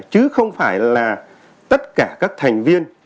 chứ không phải là tất cả các thành viên